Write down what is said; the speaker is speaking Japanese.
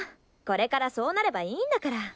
これからそうなればいいんだから。